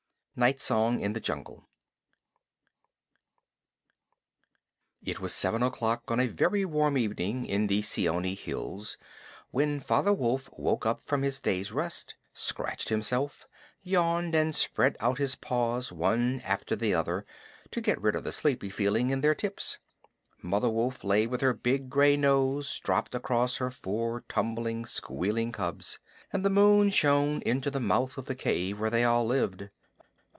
Night Song in the Jungle It was seven o'clock of a very warm evening in the Seeonee hills when Father Wolf woke up from his day's rest, scratched himself, yawned, and spread out his paws one after the other to get rid of the sleepy feeling in their tips. Mother Wolf lay with her big gray nose dropped across her four tumbling, squealing cubs, and the moon shone into the mouth of the cave where they all lived.